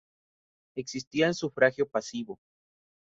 Existía el sufragio pasivo.